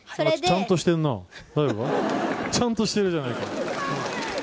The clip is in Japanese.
ちゃんとしてるな、ちゃんとしてるじゃないか。